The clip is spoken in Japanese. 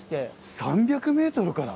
３００ｍから？